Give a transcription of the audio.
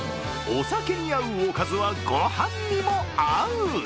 お酒に合うおかずは御飯にも合う。